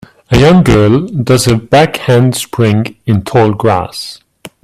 A young girl does a back hand spring in tall grass.